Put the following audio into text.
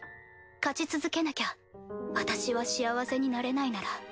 勝ち続けなきゃ私は幸せになれないなら。